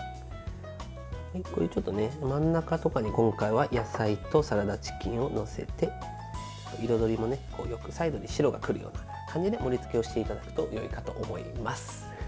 真ん中とかに今回は野菜とサラダチキンを載せて彩りもサイドに白がくるような感じで盛りつけをしていただくとよいかと思います。